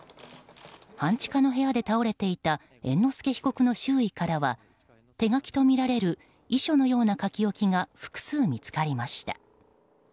半地下の部屋で倒れていた猿之助被告の周囲からは手書きとみられる遺書のような書き置きが複数見つかりました。